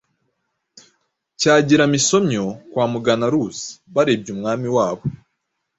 Byagira-misomyo kwa Mugana-ruzi Barebye umwami wabo,